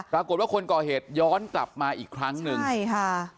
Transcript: ปรากฏว่าคนก่อเหตุย้อนกลับมาอีกครั้งหนึ่งใช่ค่ะ